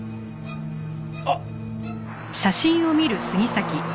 あっ！